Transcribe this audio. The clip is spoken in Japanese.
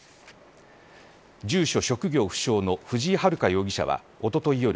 住所、職業不詳の藤井遥容疑者はおととい